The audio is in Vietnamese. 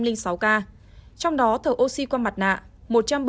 trong đó thở oxy qua mặt nạ một trăm bảy mươi hai ca